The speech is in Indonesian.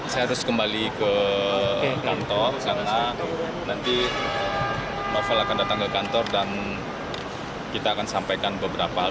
saya harus kembali ke kantor karena nanti novel akan datang ke kantor dan kita akan sampaikan beberapa hal